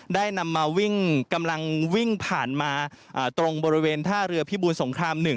ได้นำมาวิ่งกำลังวิ่งผ่านมาตรงบริเวณท่าเรือพิบูรสงคราม๑